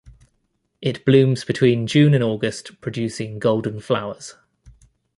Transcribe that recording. It blooms between June and August producing golden flowers.